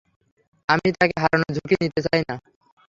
আমি তাকে হারানোর ঝুঁকি নিতে চাই না।